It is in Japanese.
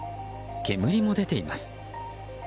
煙も出ています。